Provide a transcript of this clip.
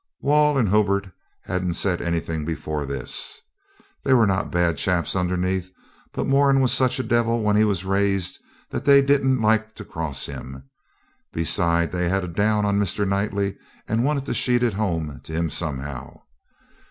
Wall and Hulbert hadn't said anything before this. They were not bad chaps underneath, but Moran was such a devil when he was raised that they didn't like to cross him. Besides, they had a down on Mr. Knightley, and wanted to sheet it home to him somehow.